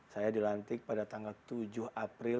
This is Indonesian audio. saya dilantik pada tanggal tujuh april dua ribu dua puluh satu